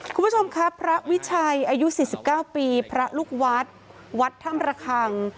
คุณผู้ชมครับพระวิชัยอายุ๔๙ปีพระลูกวัดวัดถ้ำระคัง